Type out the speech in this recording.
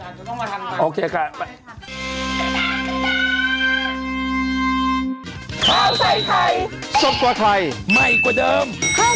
จะต้องมาทำงานค่ะใส่ไทยซดกว่าไถ่ใหม่กว่าเดิม